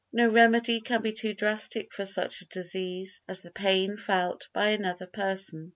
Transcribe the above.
No remedy can be too drastic for such a disease as the pain felt by another person.